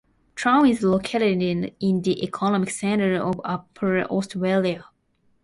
Traun is located in the economic center of Upper Austria.